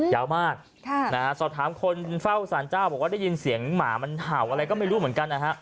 ยาวมากสอบถามคนเฝ้าสารเจ้าบอกว่าได้ยินเสียงหมามันเห่าอะไรก็ไม่รู้เหมือนกันนะฮะ